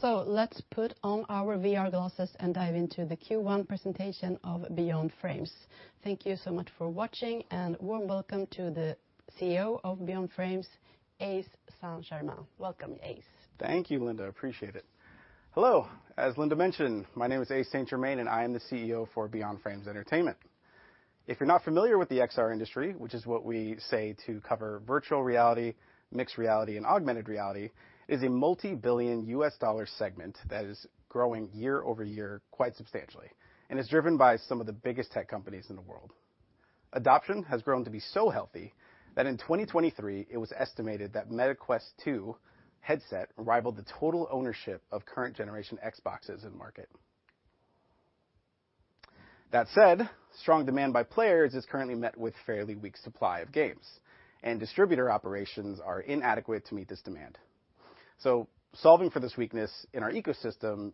So let's put on our VR glasses and dive into the Q1 presentation of Beyond Frames. Thank you so much for watching, and warm welcome to the CEO of Beyond Frames, Ace St. Germain. Welcome, Ace. Thank you, Linda. Appreciate it. Hello. As Linda mentioned, my name is Ace St. Germain, and I am the CEO for Beyond Frames Entertainment. If you're not familiar with the XR industry, which is what we say to cover virtual reality, mixed reality, and augmented reality, it is a multi-billion dollar segment that is growing year-over-year quite substantially, and is driven by some of the biggest tech companies in the world. Adoption has grown to be so healthy, that in 2023, it was estimated that Meta Quest 2 headset rivaled the total ownership of current generation Xboxes in the market. That said, strong demand by players is currently met with fairly weak supply of games, and distributor operations are inadequate to meet this demand. So solving for this weakness in our ecosystem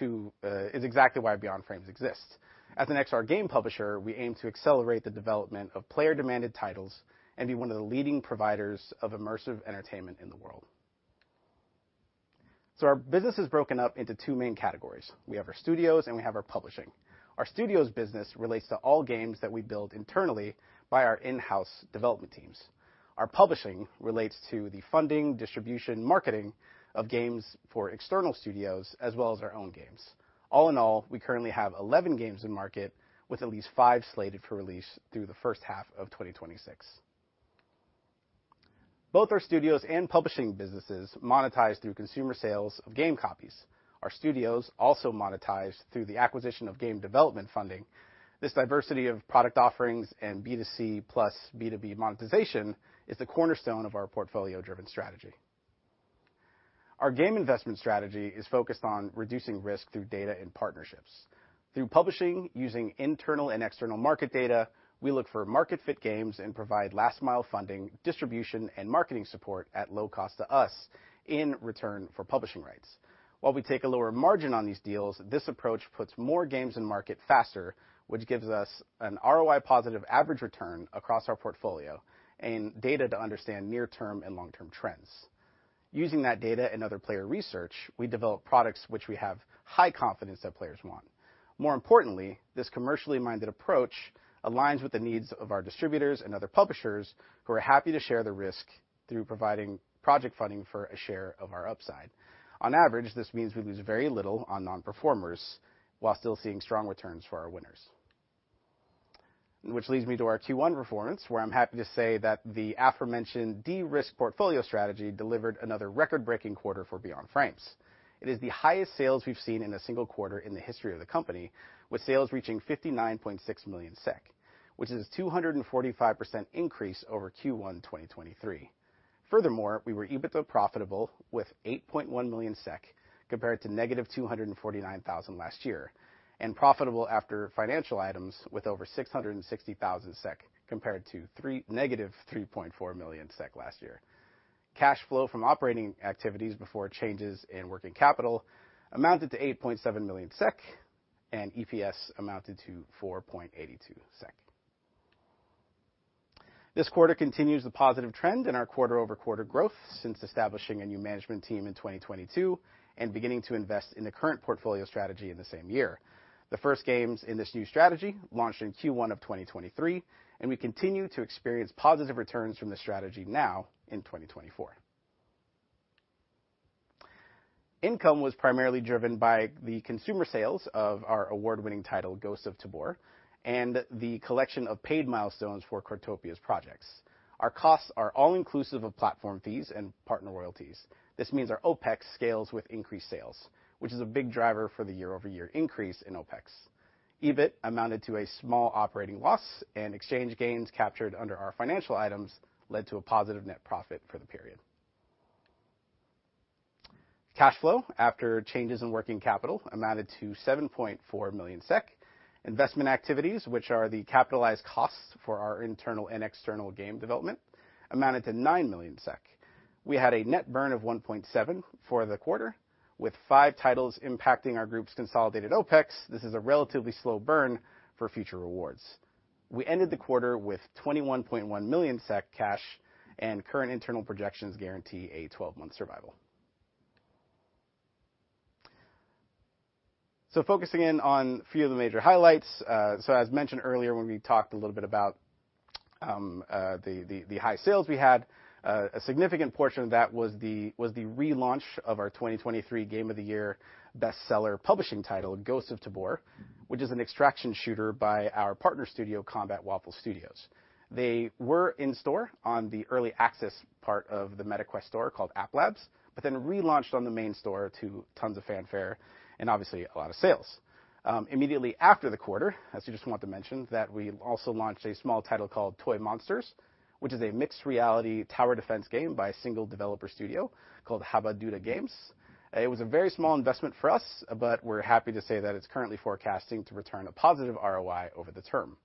is exactly why Beyond Frames exists. As an XR game publisher, we aim to accelerate the development of player-demanded titles and be one of the leading providers of immersive entertainment in the world. Our business is broken up into two main categories: We have our studios, and we have our publishing. Our studios business relates to all games that we build internally by our in-house development teams. Our publishing relates to the funding, distribution, marketing of games for external studios, as well as our own games. All in all, we currently have 11 games in market, with at least five slated for release through the first half of 2026. Both our studios and publishing businesses monetize through consumer sales of game copies. Our studios also monetize through the acquisition of game development funding. This diversity of product offerings and B2C plus B2B monetization is the cornerstone of our portfolio-driven strategy. Our game investment strategy is focused on reducing risk through data and partnerships. Through publishing, using internal and external market data, we look for market-fit games and provide last-mile funding, distribution, and marketing support at low cost to us in return for publishing rights. While we take a lower margin on these deals, this approach puts more games in market faster, which gives us an ROI-positive average return across our portfolio and data to understand near-term and long-term trends. Using that data and other player research, we develop products which we have high confidence that players want. More importantly, this commercially-minded approach aligns with the needs of our distributors and other publishers, who are happy to share the risk through providing project funding for a share of our upside. On average, this means we lose very little on non-performers, while still seeing strong returns for our winners. Which leads me to our Q1 performance, where I'm happy to say that the aforementioned de-risk portfolio strategy delivered another record-breaking quarter for Beyond Frames. It is the highest sales we've seen in a single quarter in the history of the company, with sales reaching 59.6 million SEK, which is a 245% increase over Q1 2023. Furthermore, we were EBITDA profitable with 8.1 million SEK, compared to -249 thousand last year, and profitable after financial items with over 660 thousand SEK, compared to negative 3.4 million SEK last year. Cash flow from operating activities before changes in working capital amounted to 8.7 million SEK, and EPS amounted to 4.82 SEK. This quarter continues the positive trend in our quarter-over-quarter growth since establishing a new management team in 2022, and beginning to invest in the current portfolio strategy in the same year. The first games in this new strategy launched in Q1 of 2023, and we continue to experience positive returns from the strategy now in 2024. Income was primarily driven by the consumer sales of our award-winning title, Ghosts of Tabor, and the collection of paid milestones for Cortopia's projects. Our costs are all inclusive of platform fees and partner royalties. This means our OPEX scales with increased sales, which is a big driver for the year-over-year increase in OPEX. EBIT amounted to a small operating loss, and exchange gains captured under our financial items led to a positive net profit for the period. Cash flow, after changes in working capital, amounted to 7.4 million SEK. Investment activities, which are the capitalized costs for our internal and external game development, amounted to 9 million SEK. We had a net burn of 1.7 million for the quarter, with 5 titles impacting our group's consolidated OPEX. This is a relatively slow burn for future rewards. We ended the quarter with 21.1 million SEK cash, and current internal projections guarantee a 12-month survival. Focusing in on a few of the major highlights. As mentioned earlier, when we talked a little bit about the high sales we had, a significant portion of that was the relaunch of our 2023 Game of the Year bestseller publishing title, Ghosts of Tabor, which is an extraction shooter by our partner studio, Combat Waffle Studios. They were in store on the early access part of the Meta Quest store called App Lab, but then relaunched on the main store to tons of fanfare and obviously a lot of sales. Immediately after the quarter, I just want to mention that we also launched a small title called Toy Monsters, which is a mixed reality tower defense game by a single developer studio called Habaduda Games. It was a very small investment for us, but we're happy to say that it's currently forecasting to return a positive ROI over the term.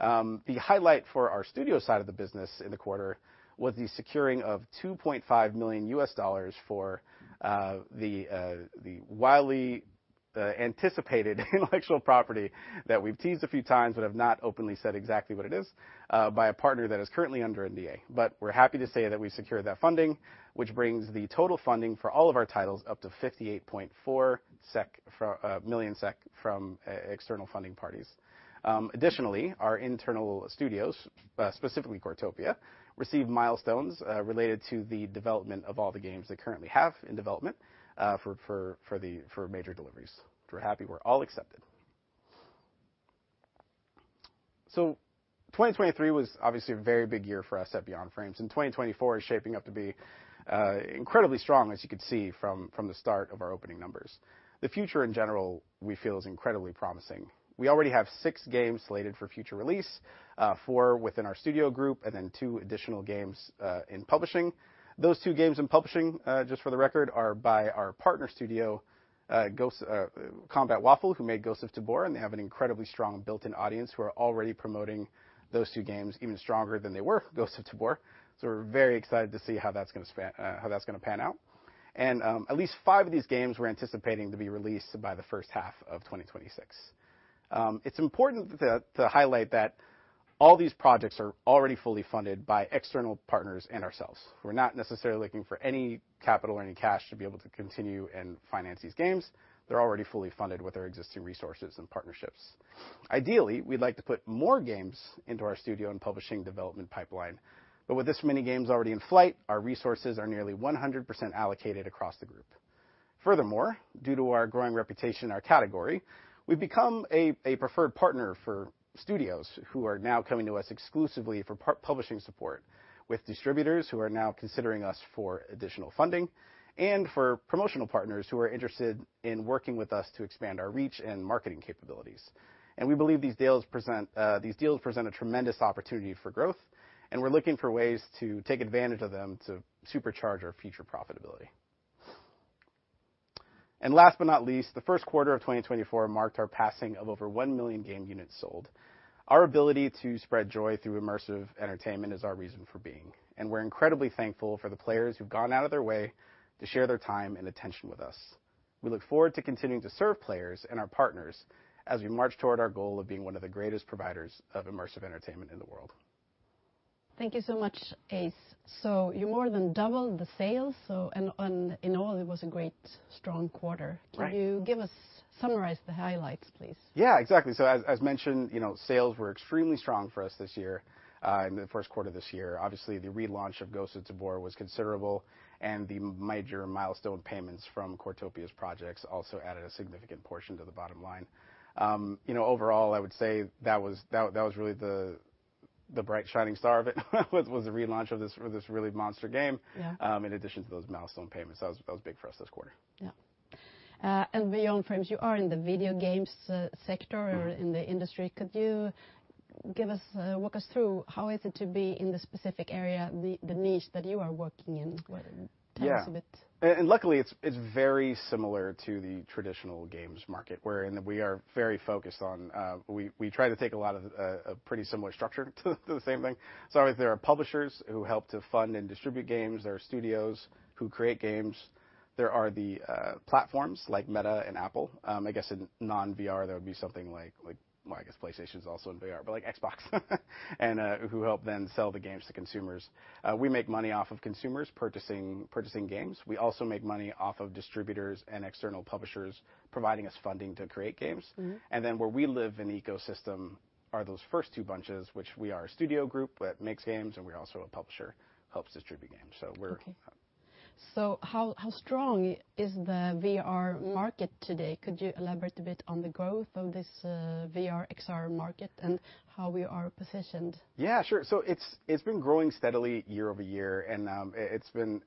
The highlight for our studio side of the business in the quarter was the securing of $2.5 million for the widely-... The anticipated intellectual property that we've teased a few times, but have not openly said exactly what it is, by a partner that is currently under NDA. But we're happy to say that we've secured that funding, which brings the total funding for all of our titles up to 58.4 million SEK from external funding parties. Additionally, our internal studios, specifically Cortopia, received milestones related to the development of all the games they currently have in development, for major deliveries, which we're happy were all accepted. So 2023 was obviously a very big year for us at Beyond Frames, and 2024 is shaping up to be incredibly strong, as you could see from the start of our opening numbers. The future, in general, we feel is incredibly promising. We already have six games slated for future release, four within our studio group and then two additional games in publishing. Those two games in publishing, just for the record, are by our partner studio, Combat Waffle, who made Ghosts of Tabor, and they have an incredibly strong built-in audience who are already promoting those two games even stronger than they were Ghosts of Tabor. So we're very excited to see how that's gonna pan out. And, at least five of these games we're anticipating to be released by the first half of 2026. It's important to highlight that all these projects are already fully funded by external partners and ourselves. We're not necessarily looking for any capital or any cash to be able to continue and finance these games. They're already fully funded with our existing resources and partnerships. Ideally, we'd like to put more games into our studio and publishing development pipeline, but with this many games already in flight, our resources are nearly 100% allocated across the group. Furthermore, due to our growing reputation in our category, we've become a preferred partner for studios who are now coming to us exclusively for publishing support, with distributors who are now considering us for additional funding, and for promotional partners who are interested in working with us to expand our reach and marketing capabilities. We believe these deals present a tremendous opportunity for growth, and we're looking for ways to take advantage of them to supercharge our future profitability. Last but not least, the first quarter of 2024 marked our passing of over 1 million game units sold. Our ability to spread joy through immersive entertainment is our reason for being, and we're incredibly thankful for the players who've gone out of their way to share their time and attention with us. We look forward to continuing to serve players and our partners as we march toward our goal of being one of the greatest providers of immersive entertainment in the world. Thank you so much, Ace. So you more than doubled the sales, so... and in all, it was a great, strong quarter. Right. Can you give us summarize the highlights, please? Yeah, exactly. So as mentioned, you know, sales were extremely strong for us this year in the first quarter this year. Obviously, the relaunch of Ghosts of Tabor was considerable, and the major milestone payments from Cortopia's projects also added a significant portion to the bottom line. You know, overall, I would say that was really the bright, shining star of it, was the relaunch of this really monster game- Yeah... in addition to those milestone payments. That was big for us this quarter. Yeah. And Beyond Frames, you are in the video games sector or in the industry. Could you give us, walk us through how is it to be in this specific area, the niche that you are working in? What- Yeah. Tell us a bit. And luckily, it's very similar to the traditional games market, wherein we are very focused on... We try to take a lot of a pretty similar structure to the same thing. So there are publishers who help to fund and distribute games, there are studios who create games, there are the platforms, like Meta and Apple. I guess in non-VR, that would be something like... Well, I guess PlayStation's also in VR, but like Xbox, and who help then sell the games to consumers. We make money off of consumers purchasing games. We also make money off of distributors and external publishers providing us funding to create games. Mm-hmm. And then where we live in the ecosystem are those first two bunches, which we are a studio group that makes games, and we're also a publisher, helps distribute games, so we're- Okay. So how strong is the VR market today? Could you elaborate a bit on the growth of this VR, XR market and how we are positioned? Yeah, sure. So it's been growing steadily year-over-year, and it's been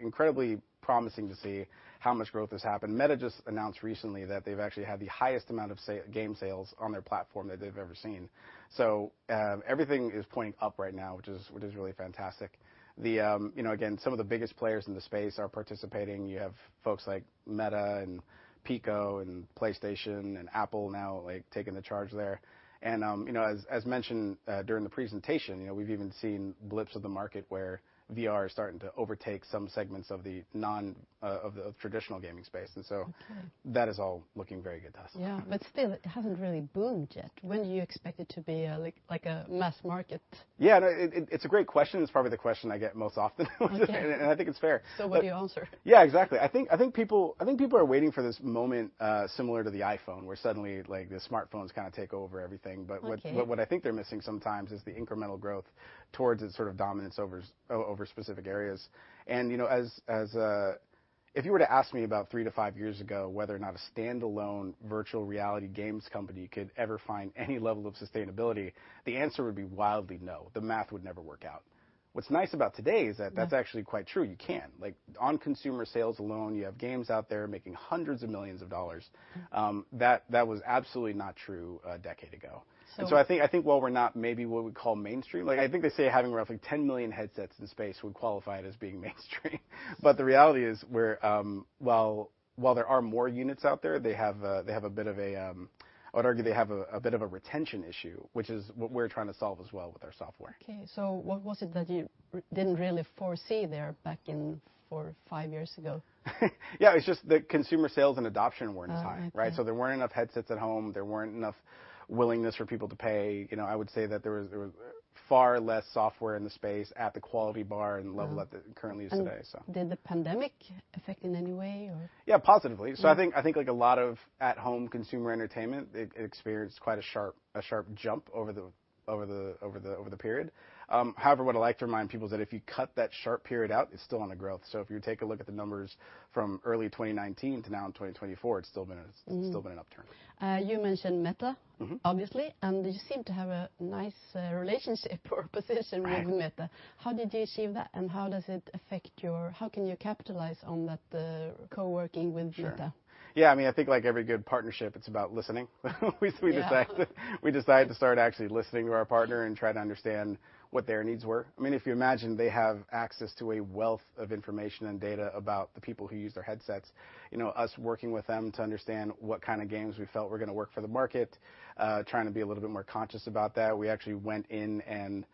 incredibly promising to see how much growth has happened. Meta just announced recently that they've actually had the highest amount of game sales on their platform than they've ever seen. So everything is pointing up right now, which is really fantastic. You know, again, some of the biggest players in the space are participating. You have folks like Meta and Pico and PlayStation and Apple now, like, taking the charge there. And you know, as mentioned during the presentation, you know, we've even seen blips of the market where VR is starting to overtake some segments of the non of the traditional gaming space, and so- Okay... that is all looking very good to us. Yeah, but still, it hasn't really boomed yet. When do you expect it to be a, like, like a mass market? Yeah, no, it's a great question. It's probably the question I get most often, and I think it's fair. What do you answer? Yeah, exactly. I think, I think people, I think people are waiting for this moment, similar to the iPhone, where suddenly, like, the smartphones kind of take over everything. Okay. But what I think they're missing sometimes is the incremental growth towards its sort of dominance over specific areas. And, you know, if you were to ask me about 3-5 years ago, whether or not a standalone virtual reality games company could ever find any level of sustainability, the answer would be wildly no. The math would never work out. What's nice about today is that- Mm... that's actually quite true, you can. Like, on consumer sales alone, you have games out there making hundreds of millions. Mm. That was absolutely not true a decade ago. So- And so I think, I think while we're not maybe what we call mainstream, like, I think they say having roughly 10 million headsets in the space would qualify it as being mainstream. But the reality is, we're. While, while there are more units out there, they have, they have a bit of a. I would argue they have a, a bit of a retention issue, which is what we're trying to solve as well with our software. Okay, so what was it that you didn't really foresee there back in... 4, 5 years ago? Yeah, it's just the consumer sales and adoption weren't high, right? Ah, okay. There weren't enough headsets at home. There weren't enough willingness for people to pay. You know, I would say that there was far less software in the space at the quality bar- Wow... and level that it currently is today, so. Did the pandemic affect in any way, or? Yeah, positively. Mm. So I think like a lot of at-home consumer entertainment, it experienced quite a sharp jump over the period. However, what I'd like to remind people is that if you cut that sharp period out, it's still on a growth. So if you take a look at the numbers from early 2019 to now in 2024, it's still been a- Mm... it's still been an upturn. You mentioned Meta. Mm-hmm. Obviously, and you seem to have a nice relationship or position- Right... with Meta. How did you achieve that, and how does it affect your... How can you capitalize on that, working with Meta? Sure. Yeah, I mean, I think like every good partnership, it's about listening. We just- Yeah... we decided to start actually listening to our partner and try to understand what their needs were. I mean, if you imagine, they have access to a wealth of information and data about the people who use their headsets. You know, us working with them to understand what kind of games we felt were gonna work for the market, trying to be a little bit more conscious about that, we actually went in and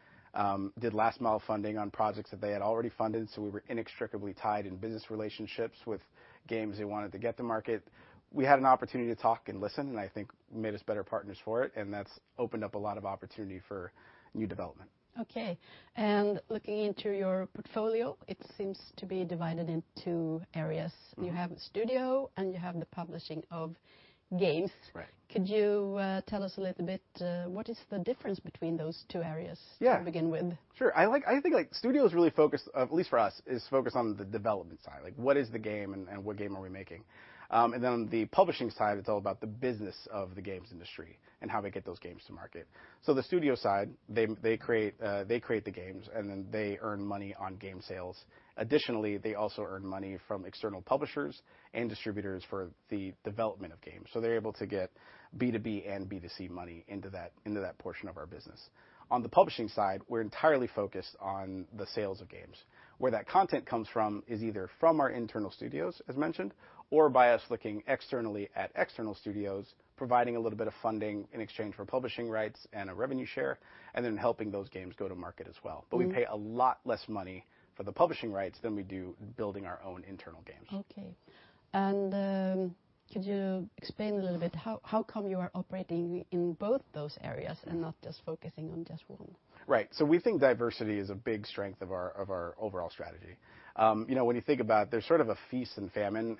did last-mile funding on projects that they had already funded, so we were inextricably tied in business relationships with games they wanted to get to market. We had an opportunity to talk and listen, and I think made us better partners for it, and that's opened up a lot of opportunity for new development. Okay, and looking into your portfolio, it seems to be divided in two areas. Mm-hmm. You have studio, and you have the publishing of games. Right. Could you tell us a little bit, what is the difference between those two areas? Yeah... to begin with? Sure. I like, I think, like, studio is really focused, at least for us, on the development side. Like, what is the game and what game are we making? And then on the publishing side, it's all about the business of the games industry and how we get those games to market. So the studio side, they create the games, and then they earn money on game sales. Additionally, they also earn money from external publishers and distributors for the development of games, so they're able to get B2B and B2C money into that portion of our business. On the publishing side, we're entirely focused on the sales of games. Where that content comes from is either from our internal studios, as mentioned, or by us looking externally at external studios, providing a little bit of funding in exchange for publishing rights and a revenue share, and then helping those games go to market as well. Mm. But we pay a lot less money for the publishing rights than we do building our own internal games. Okay. Could you explain a little bit how come you are operating in both those areas? Mm... and not just focusing on just one? Right, so we think diversity is a big strength of our overall strategy. You know, when you think about it, there's sort of a feast and famine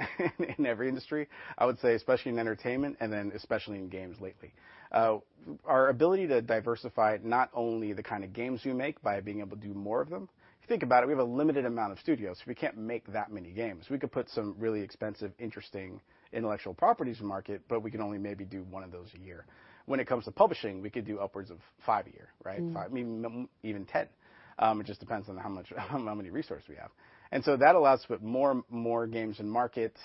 in every industry, I would say, especially in entertainment, and then especially in games lately. Our ability to diversify not only the kind of games we make by being able to do more of them... If you think about it, we have a limited amount of studios, so we can't make that many games. We could put some really expensive, interesting intellectual properties in the market, but we can only maybe do one of those a year. When it comes to publishing, we could do upwards of five a year, right? Mm. 5, maybe even 10. It just depends on how much, how many resources we have. And so that allows us to put more, more games in market,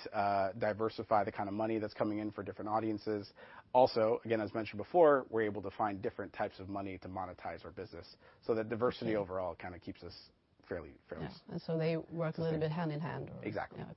diversify the kind of money that's coming in for different audiences. Also, again, as mentioned before, we're able to find different types of money to monetize our business. Okay. So that diversity overall kind of keeps us fairly, fairly- Yeah... diverse. And so they work a little bit hand in hand or- Exactly. Yeah,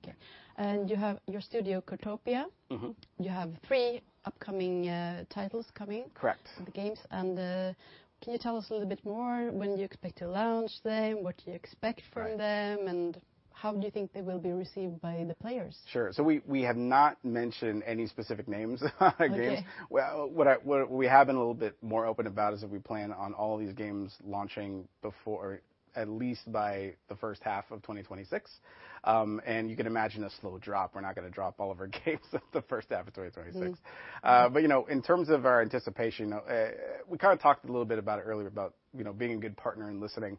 okay. You have your studio, Cortopia. Mm-hmm. You have three upcoming titles coming- Correct... the games, and, can you tell us a little bit more, when do you expect to launch them? What do you expect from them- Right... and how do you think they will be received by the players? Sure. So we have not mentioned any specific names of games. Okay. Well, what we have been a little bit more open about is that we plan on all these games launching before, at least by the first half of 2026. And you can imagine a slow drop. We're not gonna drop all of our games in the first half of 2026. Mm. But, you know, in terms of our anticipation, we kind of talked a little bit about it earlier, about, you know, being a good partner and listening.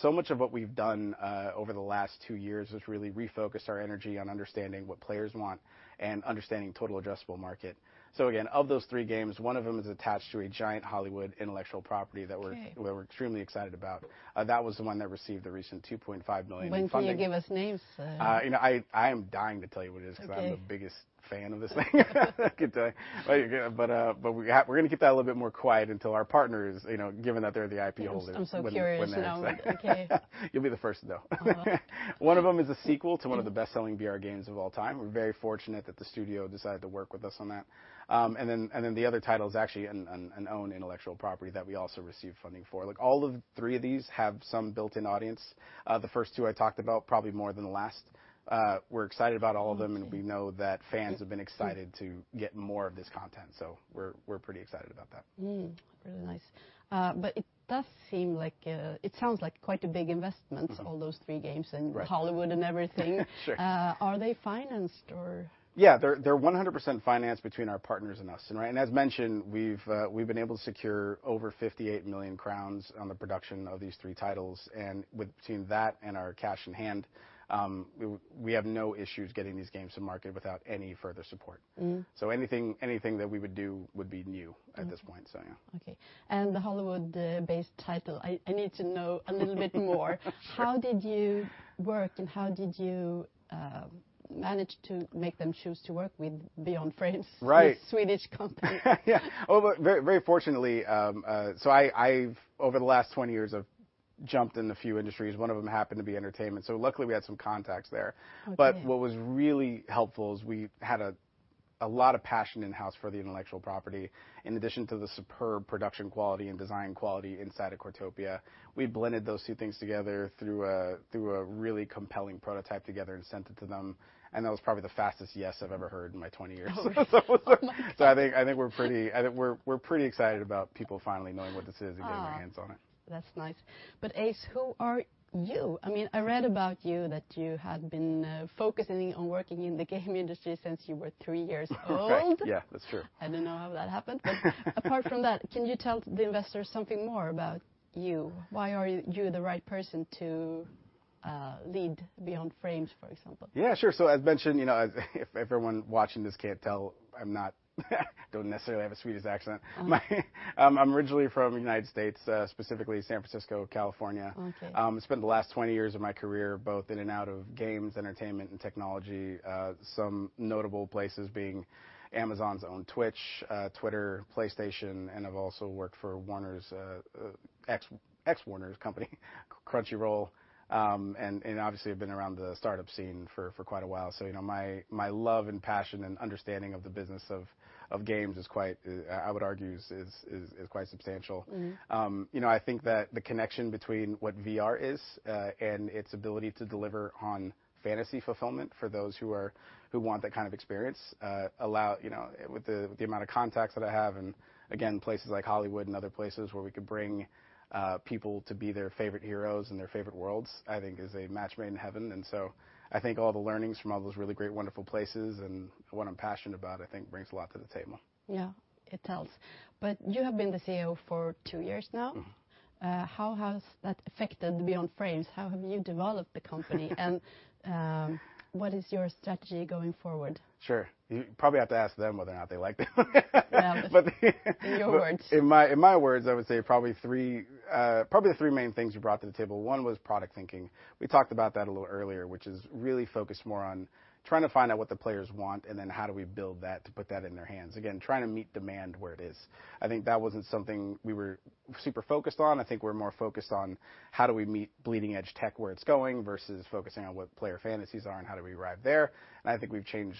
So much of what we've done over the last two years is really refocus our energy on understanding what players want and understanding total addressable market. So again, of those three games, one of them is attached to a giant Hollywood intellectual property. Okay... that we're extremely excited about. That was the one that received the recent 2.5 million in funding. When can you give us names? you know, I am dying to tell you what it is- Okay... because I'm the biggest fan of this thing. I could tell you. But we're gonna keep that a little bit more quiet until our partners, you know, given that they're the IP holders- I'm so curious now.... when that's Okay. You'll be the first to know. Wow. One of them is a sequel- Mm... to one of the best-selling VR games of all time. We're very fortunate that the studio decided to work with us on that. And then the other title is actually an own intellectual property that we also received funding for. Like, all of the three of these have some built-in audience, the first two I talked about probably more than the last. We're excited about all of them- Mm... and we know that fans have been excited to get more of this content, so we're pretty excited about that. Mm, really nice. But it does seem like... It sounds like quite a big investment- Mm-hmm... all those three games and- Right... Hollywood and everything. Sure. Are they financed or? Yeah, they're 100% financed between our partners and us, and right, and as mentioned, we've been able to secure over 58 million crowns on the production of these three titles, and between that and our cash in hand, we have no issues getting these games to market without any further support. Mm. Anything, anything that we would do would be new- Mm... at this point, so yeah. Okay, and the Hollywood-based title, I need to know a little bit more. How did you work, and how did you manage to make them choose to work with Beyond Frames- Right... a Swedish company? Yeah. Oh, but very, very fortunately, so I've over the last 20 years jumped in a few industries, one of them happened to be entertainment, so luckily we had some contacts there. Okay. What was really helpful is we had a lot of passion in-house for the intellectual property, in addition to the superb production quality and design quality inside of Cortopia. We blended those two things together through a really compelling prototype together and sent it to them, and that was probably the fastest yes I've ever heard in my 20 years. Oh, oh, my God! So I think we're pretty excited about people finally knowing what this is- Ah. and getting their hands on it. That's nice. But Ace, who are you? I mean, I read about you, that you had been focusing on working in the game industry since you were three years old. Correct. Yeah, that's true. I don't know how that happened. But apart from that, can you tell the investors something more about you? Why are you, you the right person to lead Beyond Frames, for example? Yeah, sure. So as mentioned, you know, as if everyone watching this can't tell, I'm not ... don't necessarily have a Swedish accent. Uh-huh. I'm originally from the United States, specifically San Francisco, California. Okay. Spent the last 20 years of my career, both in and out of games, entertainment, and technology. Some notable places being Amazon's own Twitch, Twitter, PlayStation, and I've also worked for Warner’s ex-Warner’s company, Crunchyroll. And obviously I've been around the startup scene for quite a while. So, you know, my love and passion and understanding of the business of games is quite, I would argue, quite substantial. Mm-hmm. You know, I think that the connection between what VR is and its ability to deliver on fantasy fulfillment for those who are who want that kind of experience allow you know with the amount of contacts that I have, and again, places like Hollywood and other places where we could bring people to be their favorite heroes in their favorite worlds, I think is a match made in heaven. And so I think all the learnings from all those really great, wonderful places and what I'm passionate about, I think brings a lot to the table. Yeah, it helps. But you have been the CEO for two years now? Mm-hmm. How has that affected Beyond Frames? How have you developed the company... and what is your strategy going forward? Sure. You probably have to ask them whether or not they like them. Well- But In your words. In my words, I would say probably the three main things we brought to the table. One was product thinking. We talked about that a little earlier, which is really focused more on trying to find out what the players want, and then how do we build that to put that in their hands? Again, trying to meet demand where it is. I think that wasn't something we were super focused on. I think we're more focused on how do we meet bleeding-edge tech, where it's going, versus focusing on what player fantasies are and how do we arrive there. And I think we've changed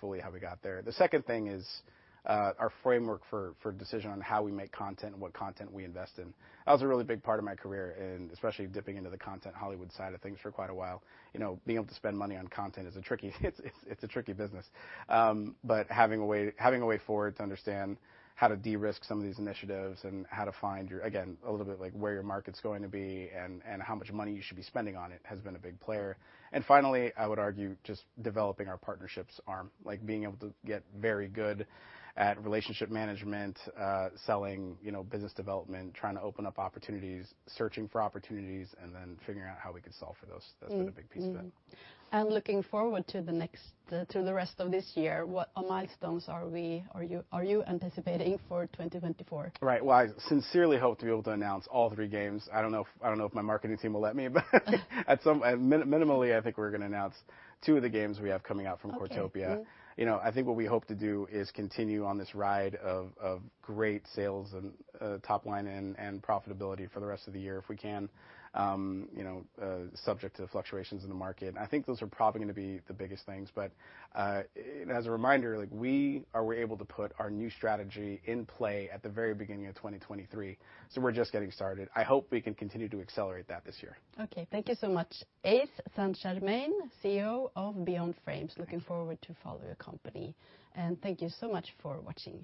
fully how we got there. The second thing is our framework for decision on how we make content and what content we invest in. That was a really big part of my career, and especially dipping into the content, Hollywood side of things for quite a while. You know, being able to spend money on content is a tricky, it's a tricky business. But having a way forward to understand how to de-risk some of these initiatives and how to find your, again, a little bit like where your market's going to be and how much money you should be spending on it, has been a big player. And finally, I would argue, just developing our partnerships arm, like being able to get very good at relationship management, selling, you know, business development, trying to open up opportunities, searching for opportunities, and then figuring out how we can solve for those. Mm. That's been a big piece of it. Mm-hmm. Looking forward to the rest of this year, what milestones are you anticipating for 2024? Right. Well, I sincerely hope to be able to announce all three games. I don't know if, I don't know if my marketing team will let me, but... at minimally, I think we're gonna announce two of the games we have coming out from Cortopia. Okay. Mm. You know, I think what we hope to do is continue on this ride of great sales and top line and profitability for the rest of the year if we can. You know, subject to the fluctuations in the market, I think those are probably gonna be the biggest things. But, and as a reminder, like, we were able to put our new strategy in play at the very beginning of 2023, so we're just getting started. I hope we can continue to accelerate that this year. Okay. Thank you so much. Ace St. Germain, CEO of Beyond Frames. Thanks. Looking forward to follow your company. Thank you so much for watching.